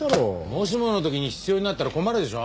もしもの時に必要になったら困るでしょ？